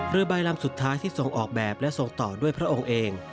เรือใบลำสุดท้ายที่ทรงออกแบบและทรงต่อด้วยพระองค์เอง